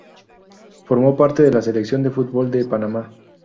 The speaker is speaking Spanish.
Formó parte de la selección de fútbol de Panamá.